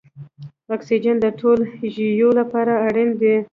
اکسیجن د ټولو ژویو لپاره اړین دی